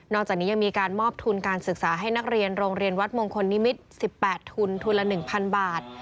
จากนี้ยังมีการมอบทุนการศึกษาให้นักเรียนโรงเรียนวัดมงคลนิมิตร๑๘ทุนทุนละ๑๐๐บาท